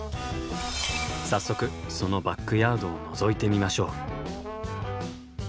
早速そのバックヤードをのぞいてみましょう。